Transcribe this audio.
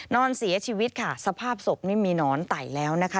นอนเสียชีวิตค่ะสภาพศพนี่มีหนอนไต่แล้วนะคะ